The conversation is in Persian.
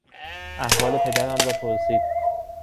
احوال پدرم را پرسید.